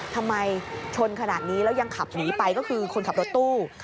ทำไมชนขนาดนี้แล้วยังขับหนีไปก็คือคนขับรถตู้